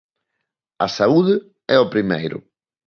A saúde é o primeiro.